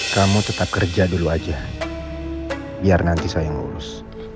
kamu tetap kerja dulu aja biar nanti saya lulus